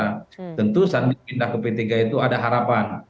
tentu sandi pindah ke p tiga itu ada harapan